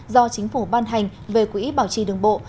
do chính phủ ban hành về quỹ bảo trì đường bộ